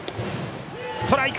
ストライク！